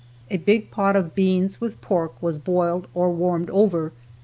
A big pot of beans with pork was boiled or warmed over.